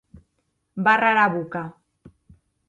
Barra era boca.